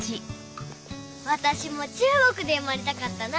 わたしも中国で生まれたかったな。